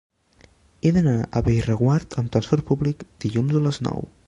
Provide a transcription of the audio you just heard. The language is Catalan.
He d'anar a Bellreguard amb transport públic dilluns a les nou.